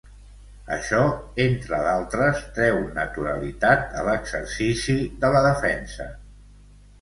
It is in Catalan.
Això, entre d’altres, treu naturalitat a l’exercici de la defensa.